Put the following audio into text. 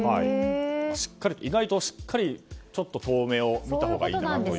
意外としっかり遠めを見たほうがいいと。